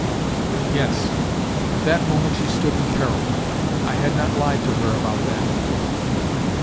Yes, at that moment she stood in peril. I had not lied to her about that.